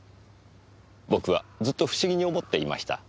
僕はずっと不思議に思っていました。